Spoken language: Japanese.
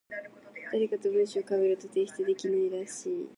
誰かと文章被ると提出できないらしい。